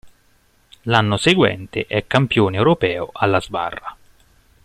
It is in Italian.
L'anno seguente è campione europeo alla sbarra.